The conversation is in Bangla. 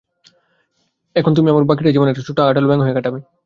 এখন তুমি তোমার বাকিটা জীবন একটা ছোট্ট আঠালো ব্যাঙ হয়ে কাটাবে।